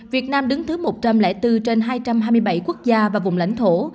việt nam đứng thứ một trăm linh bốn trên hai trăm hai mươi bảy quốc gia và vùng lãnh thổ